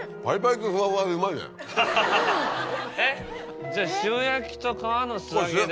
ハハハハえっじゃあ塩焼きと皮の素揚げで。